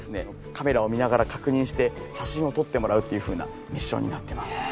カメラを見ながら確認して写真を撮ってもらうというふうなミッションになっています。